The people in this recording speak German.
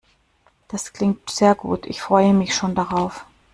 Das klingt sehr gut. Ich freue mich schon darauf.